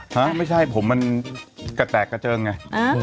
ฮะไม่ใช่ผมมันกระแตกกระเจิงไง